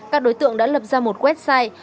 các đối tượng đã lập ra một website